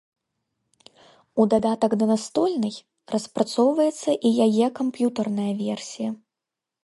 У дадатак да настольнай распрацоўваецца і яе камп'ютарная версія.